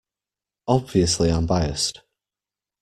Obviously I’m biased.